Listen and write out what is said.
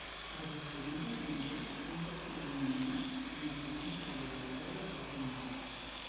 Els aspirants admesos, un cop siguin nomenats iniciaran un període de prova de quatre mesos.